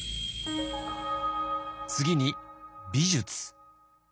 次に美術。